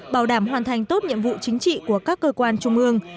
bảo đảm hoàn thành tốt nhiệm vụ chính trị của các cơ quan trung ương